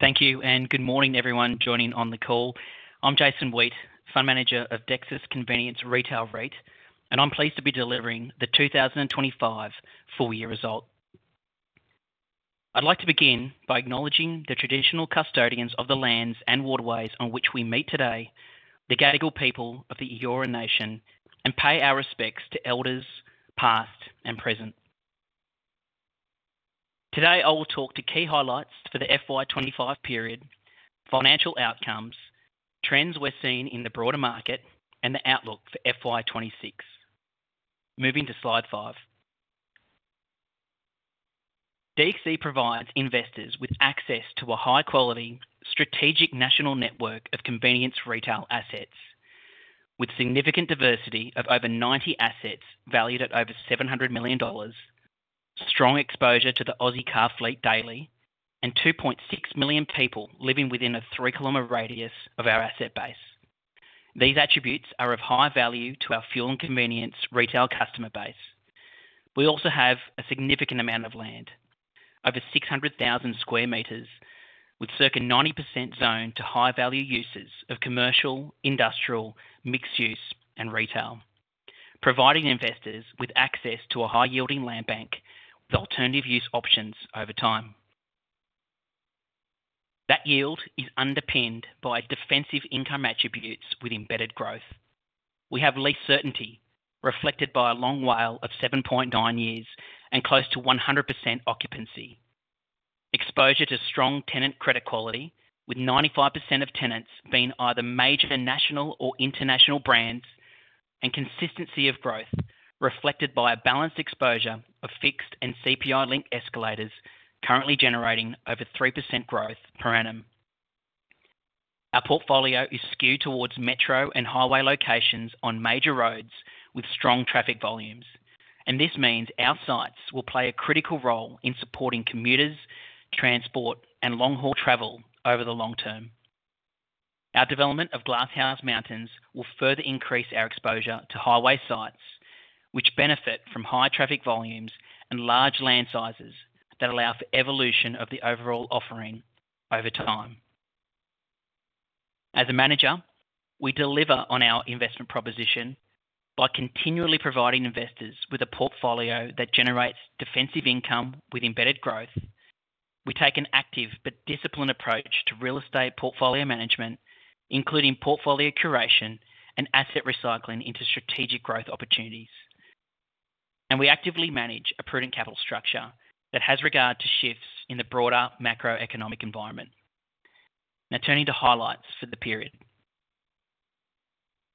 Thank you, and good morning everyone joining on the call. I'm Jason Weate, Fund Manager of Dexus Convenience Retail REIT, and I'm pleased to be delivering the 2025 full-year result. I'd like to begin by acknowledging the traditional custodians of the lands and waterways on which we meet today, the Gadigal people of the Eora Nation, and pay our respects to Elders past and present. Today, I will talk to key highlights for the FY 2025 period, financial outcomes, trends we're seeing in the broader market, and the outlook for FY 2026. Moving to slide five, DXC provides investors with access to a high-quality, strategic national network of convenience retail assets, with significant diversity of over 90 assets valued at over AUS 700 million, strong exposure to the Aussie car fleet daily, and 2.6 million people living within a three-kilometer radius of our asset base. These attributes are of high value to our fuel and convenience retail customer base. We also have a significant amount of land, over 600,000 sq m, with circa 90% zoned to high-value uses of commercial, industrial, mixed use, and retail, providing investors with access to a high-yielding land bank with alternative use options over time. That yield is underpinned by defensive income attributes with embedded growth. We have lease certainty, reflected by a long WALE of 7.9 years and close to 100% occupancy, exposure to strong tenant credit quality, with 95% of tenants being either major national or international brands, and consistency of growth, reflected by a balanced exposure of fixed and CPI-linked escalators currently generating over 3% growth per annum. Our portfolio is skewed towards metro and highway locations on major roads with strong traffic volumes, and this means our sites will play a critical role in supporting commuters, transport, and long-haul travel over the long term. Our development of Glass House Mountains will further increase our exposure to highway sites, which benefit from high traffic volumes and large land sizes that allow for evolution of the overall offering over time. As a manager, we deliver on our investment proposition by continually providing investors with a portfolio that generates defensive income with embedded growth. We take an active but disciplined approach to real estate portfolio management, including portfolio curation and asset recycling into strategic growth opportunities, and we actively manage a prudent capital structure that has regard to shifts in the broader macroeconomic environment. Now, turning to highlights for the period,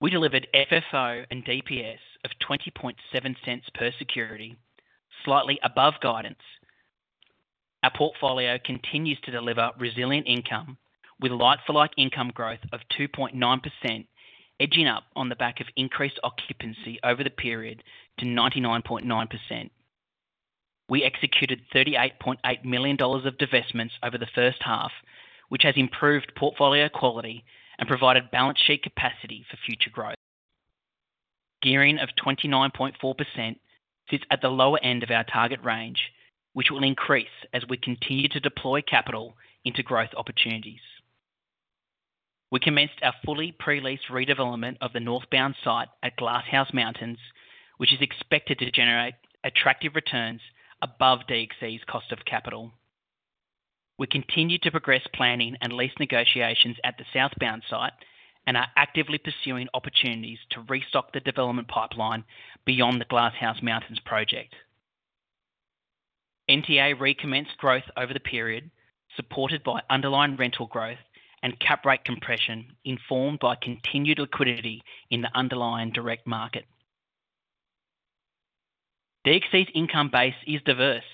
we delivered FFO and DPS of AUS 0.207 per security, slightly above guidance. Our portfolio continues to deliver resilient income with like-for-like income growth of 2.9%, edging up on the back of increased occupancy over the period to 99.9%. We executed AUS 38.8 million of divestments over the first half, which has improved portfolio quality and provided balance sheet capacity for future growth. Gearing of 29.4% sits at the lower end of our target range, which will increase as we continue to deploy capital into growth opportunities. We commenced our fully pre-lease redevelopment of the northbound site at Glass House Mountains, which is expected to generate attractive returns above DXC's cost of capital. We continue to progress planning and lease negotiations at the southbound site and are actively pursuing opportunities to restock the development pipeline beyond the Glass House Mountains project. NTA recommenced growth over the period, supported by underlying rental growth and cap rate compression informed by continued liquidity in the underlying direct market. DXC's income base is diverse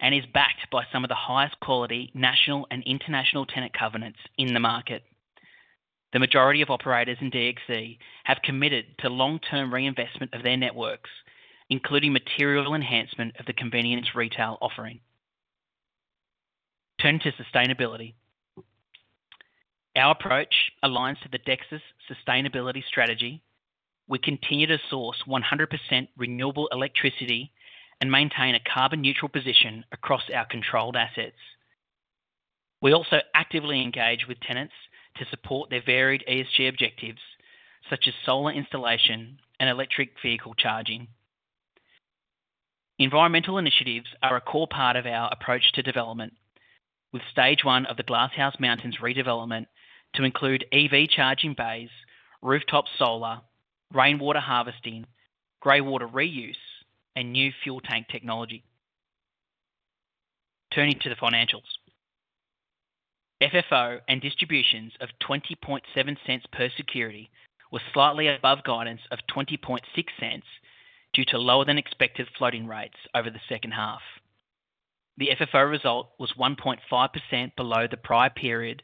and is backed by some of the highest quality national and international tenant covenants in the market. The majority of operators in DXC have committed to long-term reinvestment of their networks, including material enhancement of the convenience retail offering. Turning to sustainability, our approach aligns to the Dexus sustainability strategy. We continue to source 100% renewable electricity and maintain a carbon-neutral position across our controlled assets. We also actively engage with tenants to support their varied ESG objectives, such as solar installation and electric vehicle charging. Environmental initiatives are a core part of our approach to development, with stage one of the Glass House Mountains redevelopment to include EV charging bays, rooftop solar, rainwater harvesting, greywater reuse, and new fuel tank technology. Turning to the financials, FFO and distributions of AUS 0.207 per security were slightly above guidance of AUS 0.206 due to lower than expected floating rates over the second half. The FFO result was 1.5% below the prior period,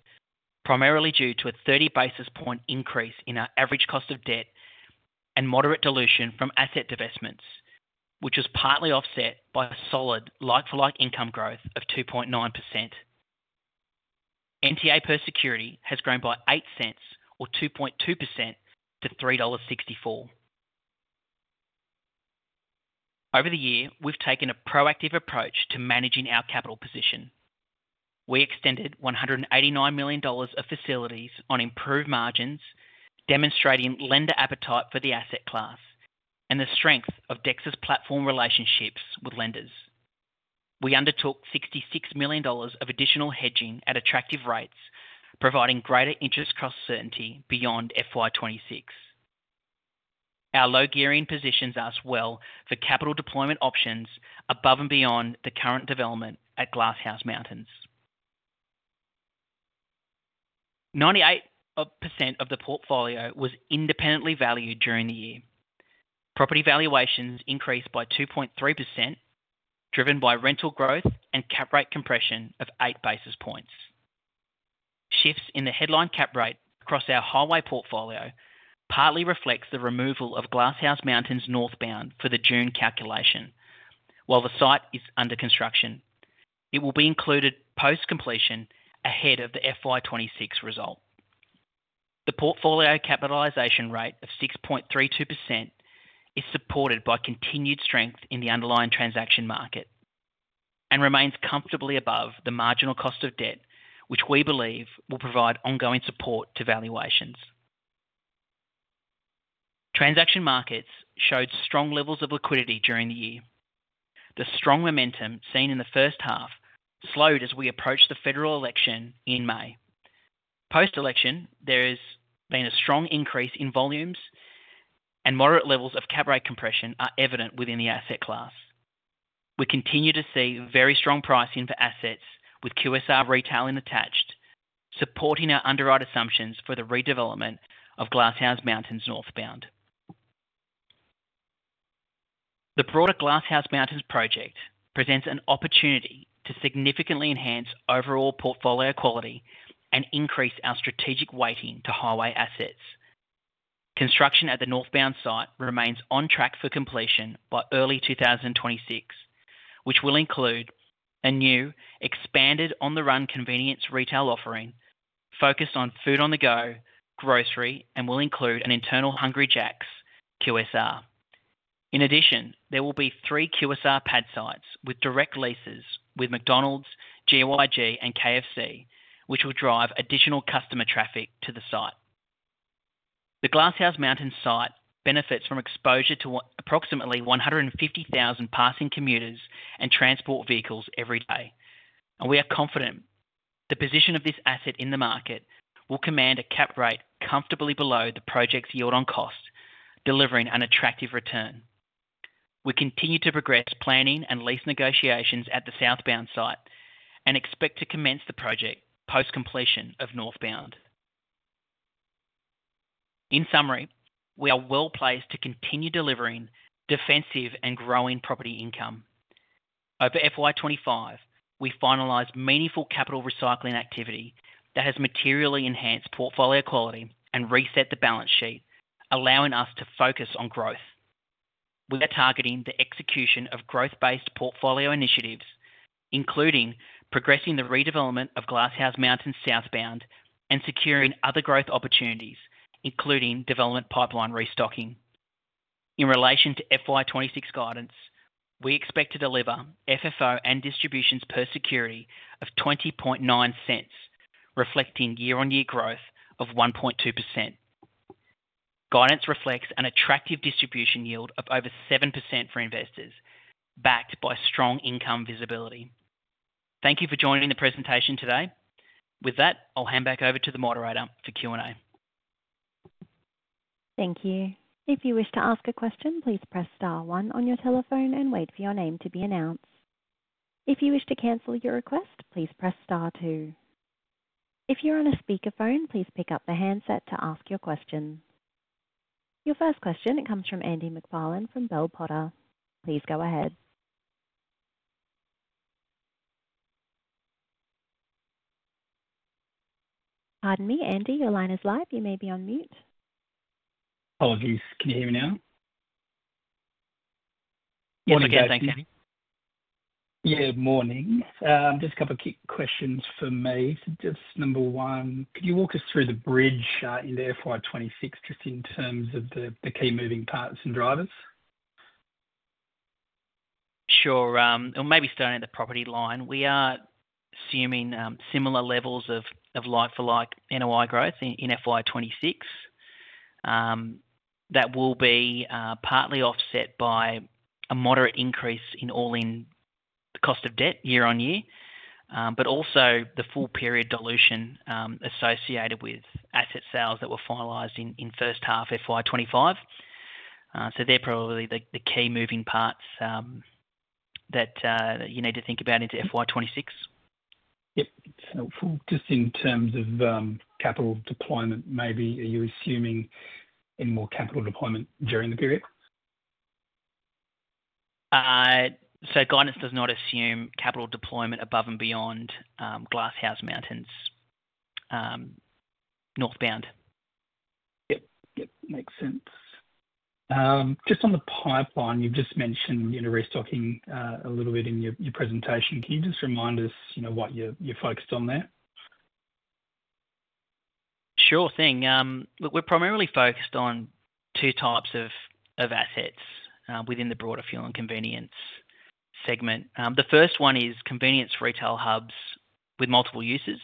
primarily due to a 30 basis point increase in our average cost of debt and moderate dilution from asset divestments, which was partly offset by a solid like-for-like income growth of 2.9%. NTA per security has grown by AUS 0.08, or 2.2%, to AUS 3.64. Over the year, we've taken a proactive approach to managing our capital position. We extended AUS 189 million of facilities on improved margins, demonstrating lender appetite for the asset class and the strength of Dexus platform relationships with lenders. We undertook AUS 66 million of additional hedging at attractive rates, providing greater interest cost certainty beyond FY 2026. Our low gearing positions us well for capital deployment options above and beyond the current development at Glass House Mountains. 98% of the portfolio was independently valued during the year. Property valuations increased by 2.3%, driven by rental growth and cap rate compression of 8 basis points. Shifts in the headline cap rate across our highway portfolio partly reflect the removal of Glass House Mountains northbound for the June calculation. While the site is under construction, it will be included post-completion ahead of the FY 2026 result. The portfolio capitalisation rate of 6.32% is supported by continued strength in the underlying transaction market and remains comfortably above the marginal cost of debt, which we believe will provide ongoing support to valuations. Transaction markets showed strong levels of liquidity during the year. The strong momentum seen in the first half slowed as we approached the federal election in May. Post-election, there has been a strong increase in volumes, and moderate levels of cap rate compression are evident within the asset class. We continue to see very strong pricing for assets with QSR retailing attached, supporting our underwrite assumptions for the redevelopment of Glass House Mountains northbound. The broader Glass House Mountains project presents an opportunity to significantly enhance overall portfolio quality and increase our strategic weighting to highway assets. Construction at the northbound site remains on track for completion by early 2026, which will include a new expanded on-the-run convenience retail offering focused on food on the go, grocery, and will include an internal Hungry Jack’s QSR. In addition, there will be three QSR pad sites with direct leases with McDonald's, GYG, and KFC, which will drive additional customer traffic to the site. The Glass House Mountains site benefits from exposure to approximately 150,000 passing commuters and transport vehicles every day, and we are confident the position of this asset in the market will command a cap rate comfortably below the project's yield on cost, delivering an attractive return. We continue to progress planning and lease negotiations at the southbound site and expect to commence the project post-completion of northbound. In summary, we are well placed to continue delivering defensive and growing property income. Over FY 2025, we finalized meaningful capital recycling activity that has materially enhanced portfolio quality and reset the balance sheet, allowing us to focus on growth. We are targeting the execution of growth-based portfolio initiatives, including progressing the redevelopment of Glass House Mountains southbound and securing other growth opportunities, including development pipeline restocking. In relation to FY 2026 guidance, we expect to deliver FFO and distributions per security of AUS 0.209, reflecting year-on-year growth of 1.2%. Guidance reflects an attractive distribution yield of over 7% for investors, backed by strong income visibility. Thank you for joining the presentation today. With that, I'll hand back over to the moderator for Q&A. Thank you. If you wish to ask a question, please press star one on your telephone and wait for your name to be announced. If you wish to cancel your request, please press star two. If you're on a speaker phone, please pick up the handset to ask your question. Your first question comes from Andy McFarlane from Bell Potter. Please go ahead. Andy, your line is live. You may be on mute. Yes. Can you hear me now? Yes, we can. Thank you. Yeah, good morning. Just a couple of quick questions for me. Number one, could you walk us through the bridge in the FY 2026, just in terms of the key moving parts and drivers? Sure. Maybe starting at the property line, we are assuming similar levels of like-for-like NOI growth in FY 2026. That will be partly offset by a moderate increase in all-in cost of debt year-on-year, but also the full period dilution associated with asset sales that were finalized in first half FY 2025. They're probably the key moving parts that you need to think about into FY 2026. It's helpful just in terms of capital deployment. Maybe are you assuming any more capital deployment during the period? Guidance does not assume capital deployment above and beyond Glass House Mountains northbound. Yep, yep, makes sense. Just on the pipeline, you've just mentioned you're restocking a little bit in your presentation. Can you just remind us what you're focused on there? Sure thing. Look, we're primarily focused on two types of assets within the broader fuel and convenience segment. The first one is convenience retail hubs with multiple uses.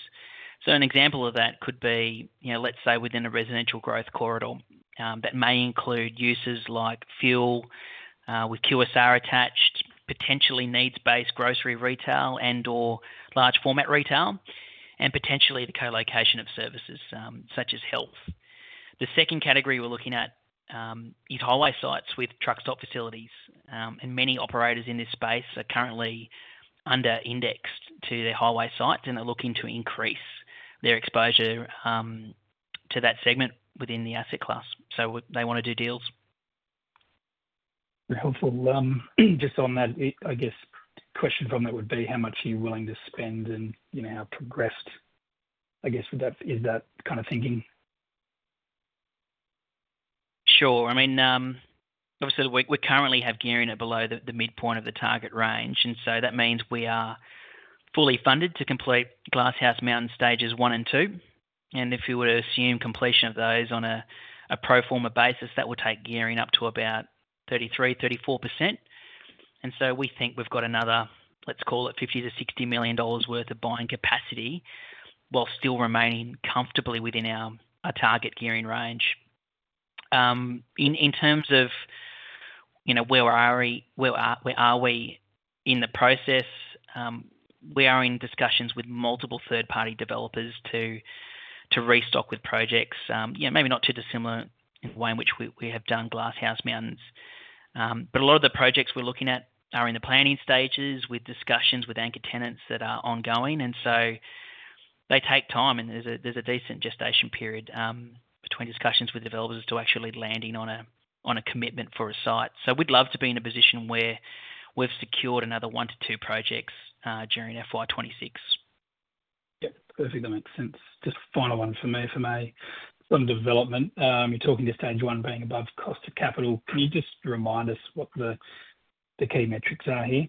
An example of that could be, you know, let's say within a residential growth corridor that may include uses like fuel with QSR attached, potentially needs-based grocery retail and/or large format retail, and potentially the co-location of services such as health. The second category we're looking at is highway sites with truck stop facilities. Many operators in this space are currently under indexed to their highway sites, and they're looking to increase their exposure to that segment within the asset class. They want to do deals. Very helpful. Just on that, I guess the question from that would be how much are you willing to spend, and how progressed, I guess, is that kind of thinking? Sure. I mean, obviously, we currently have gearing at below the midpoint of the target range, and that means we are fully funded to complete Glass House Mountains stages one and two. If we were to assume completion of those on a pro forma basis, that would take gearing up to about 33%-34%. We think we've got another, let's call it AUS 50 million-AUS 60 million worth of buying capacity while still remaining comfortably within our target gearing range. In terms of where we are in the process, we are in discussions with multiple third-party developers to restock with projects. Maybe not in the similar way in which we have done Glass House Mountains, but a lot of the projects we're looking at are in the planning stages with discussions with anchor tenants that are ongoing, and they take time, and there's a decent gestation period between discussions with developers to actually landing on a commitment for a site. We'd love to be in a position where we've secured another one to two projects during FY 2026. Perfect. That makes sense. Just a final one for me from a development. You're talking to stage one being above cost of capital. Can you just remind us what the key metrics are here?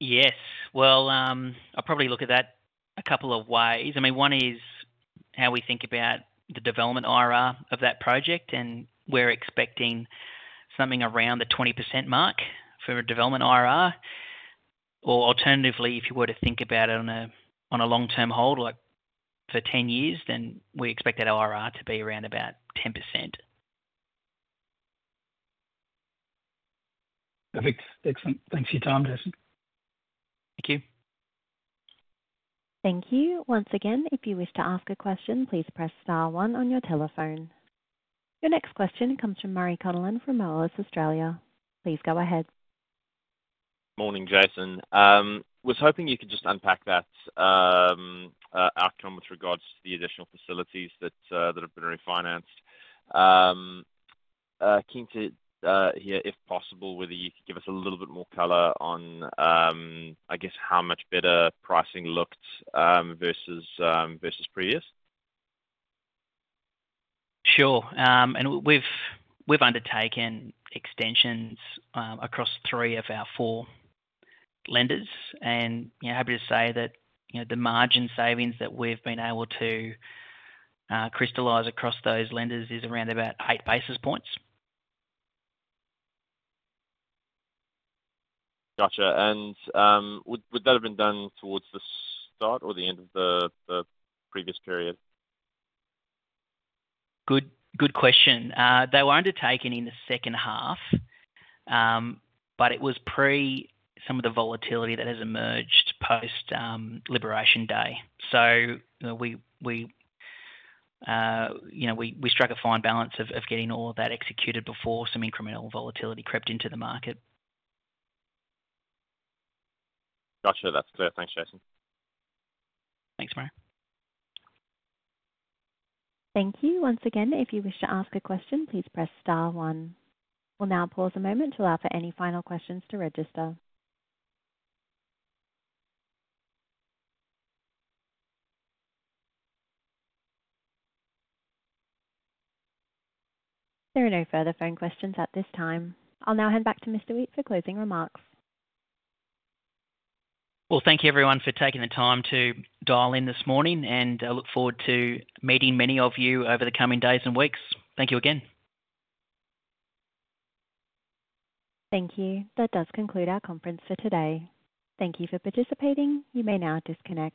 Yes. I'll probably look at that a couple of ways. I mean, one is how we think about the development IRR of that project, and we're expecting something around the 20% mark for a development IRR. Alternatively, if you were to think about it on a long-term hold, like for 10 years, then we expect that IRR to be around about 10%. Perfect. Excellent. Thanks for your time, Jason. Thank you. Thank you. Once again, if you wish to ask a question, please press star one on your telephone. Your next question comes from Murray Connelly from Moelis Australia. Please go ahead. Morning, Jason. I was hoping you could just unpack that outcome with regards to the additional facilities that have been refinanced. Keen to hear, if possible, whether you could give us a little bit more color on, I guess, how much better pricing looked versus previous. Sure. We've undertaken extensions across three of our four lenders, and I'm happy to say that the margin savings that we've been able to crystallize across those lenders is around about 0.08%. Would that have been done towards the start or the end of the previous period? Good question. They were undertaken in the second half, but it was pre some of the volatility that has emerged post-Liberation Day. We struck a fine balance of getting all of that executed before some incremental volatility crept into the market. Gotcha. That's clear. Thanks, Jason. Thanks, Murray. Thank you. Thank you. Once again, if you wish to ask a question, please press star one. We'll now pause a moment to allow for any final questions to register. There are no further phone questions at this time. I'll now hand back to Mr. Weate for closing remarks. Thank you, everyone, for taking the time to dial in this morning. I look forward to meeting many of you over the coming days and weeks. Thank you again. Thank you. That does conclude our conference for today. Thank you for participating. You may now disconnect.